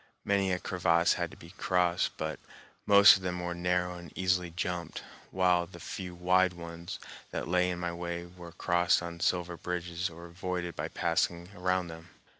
Many a crevasse had to be crossed, but most of them were narrow and easily jumped, while the few wide ones that lay in my way were crossed on sliver bridges or avoided by passing around them.